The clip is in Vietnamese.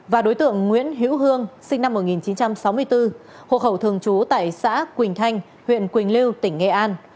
và đối tượng nguyễn hiễu hương sinh năm một nghìn chín trăm sáu mươi bốn hộ khẩu thường trú tại xã quỳnh thanh huyện quỳnh lưu tỉnh ninh bình